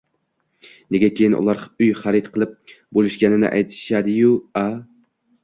nega keyin ular uy xarid qilib boʻlishganini aytishadi-yu, a